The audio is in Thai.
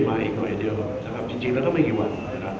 มาอีกหน่อยเดียวกับที่จริงแล้วก็ไม่กี่วัน